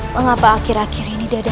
mengapa akhir akhir ini dada